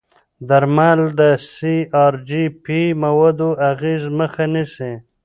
درمل د سی ار جي پي موادو اغېزې مخه نیسي.